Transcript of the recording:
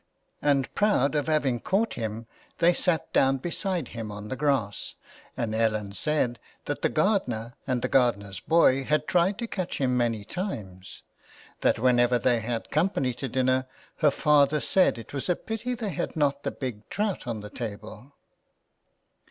And proud of having caught him they sat down beside him on the grass and Ellen said that the gardener and the gardener's boy had tried to catch him many times ; that whenever they had company 3i8 THE WILD GOOSE. to dinner her father said it was a pity they had not the big trout on the table.